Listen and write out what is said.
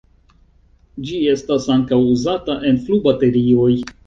Ĝi estas ankaŭ uzata en flubaterioj.